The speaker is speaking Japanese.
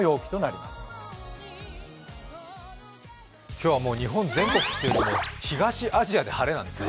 今日は日本全国というよりも東アジアで晴れなんですね。